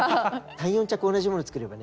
３４着同じ物作ればね